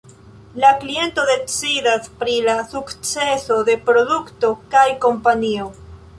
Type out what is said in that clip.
La kliento decidas pri la sukceso de produkto kaj kompanio.